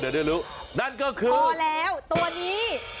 นั่นก็คือพอแล้วตัวนี้